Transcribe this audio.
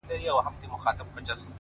ویره یوازې د ذهن جوړ شوی تصور دی؛